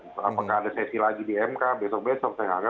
apakah ada sesi lagi di mk besok besok saya nggak akan